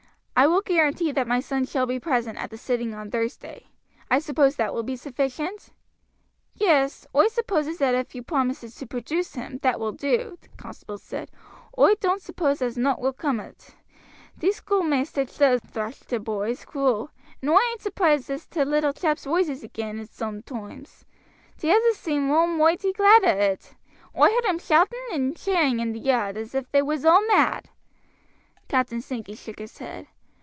I will guarantee that my son shall be present at the sitting on Thursday, I suppose that will be sufficient?" "Yes, oi supposes if you promises to produce him, that will do," the constable said. "Oi doan't suppose as nought will come o't; these schoolmaister chaps does thrash t' boys cruel, and oi ain't surprised as t' little chaps roises ag'in it soometoimes. T'others all seem moighty glad o' it: oi heard 'em shouting and, cheering in t' yard as if they was all mad." Captain Sankey shook his head.